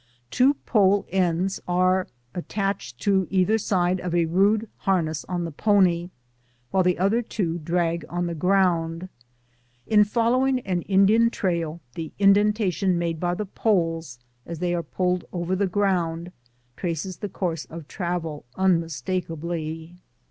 Two pole ends are attached to either side of a rude harness on the pony, while the other two drag on the ground. In following an Indian trail, the indenta tion made by the poles, as they are pulled over the ground, traces the course of travel unmistakably.